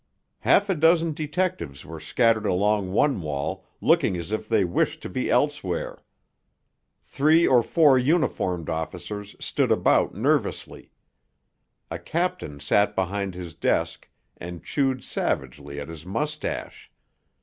Half a dozen detectives were scattered along one wall, looking as if they wished to be elsewhere. Three or four uniformed officers stood about nervously. A captain sat behind his desk and chewed savagely at his mustache.